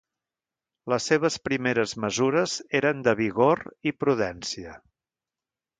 Les seves primeres mesures eren de vigor i prudència.